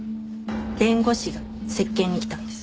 弁護士が接見に来たんです。